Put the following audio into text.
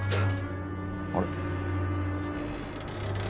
あれ？